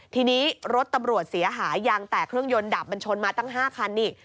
ทีนี้รถตำรวจเสียหายยังแต่เครื่องยนต์ดับมันชนมาตั้ง๕คันนี่